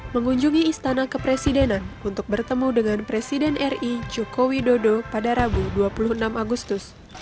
mengunjungi istana kepresidenan untuk bertemu dengan presiden ri joko widodo pada rabu dua puluh enam agustus